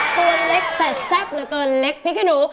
ตัวเล็กแต่แซ่บเหลือเกินเล็กพริกขี้หนู